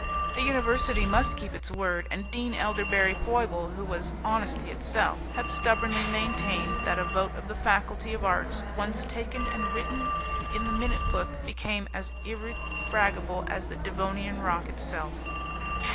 A university must keep its word, and Dean Elderberry Foible, who was honesty itself, had stubbornly maintained that a vote of the faculty of arts once taken and written in the minute book became as irrefragable as the Devonian rock itself.